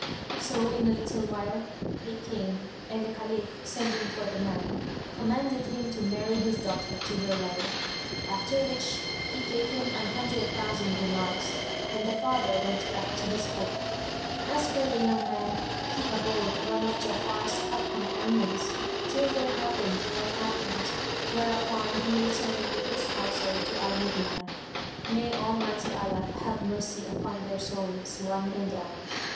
So, in a little while, they came and the Caliph, sending for the man, commanded him to marry his daughter to her lover; after which he gave him an hundred thousand dinars, and the father went back to his folk. As for the young man, he abode one of Ja'afar's cup companions till there happened what happened[FN#176] whereupon he returned with his household to al Medinah; may Almighty Allah have mercy upon their souls one and all!